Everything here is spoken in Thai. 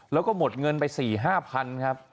แล้วก็หมดเงินไป๔๕๐๐๐ครับ